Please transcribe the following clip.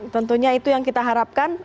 tentunya itu yang kita harapkan